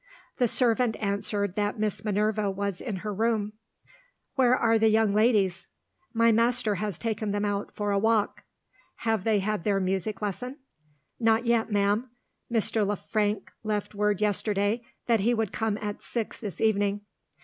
The servant answered that Miss Minerva was in her room. "Where are the young ladies?" "My master has taken them out for a walk." "Have they had their music lesson?" "Not yet, ma'am. Mr. Le Frank left word yesterday that he would come at six this evening."